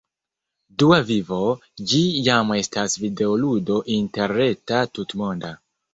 Dua Vivo, ĝi jam estas videoludo interreta, tutmonda